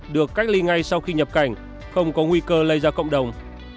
được cách ly ngay sau khi nhập cảnh không có nguy cơ lây ra cộng đồng